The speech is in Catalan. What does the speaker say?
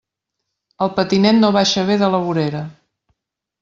El patinet no baixa bé de la vorera.